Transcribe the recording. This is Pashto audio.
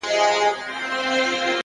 اخلاص د اړیکو ریښې کلکوي,